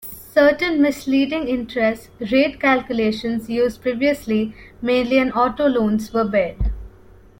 Certain misleading interest rate calculations used previously, mainly on auto loans, were barred.